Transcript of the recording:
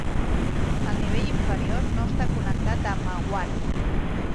El nivell inferior no està connectat a Ma Wan.